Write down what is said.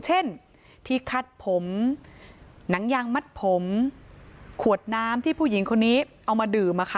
เช่นที่คัดผมหนังยางมัดผมขวดน้ำที่ผู้หญิงคนนี้เอามาดื่ม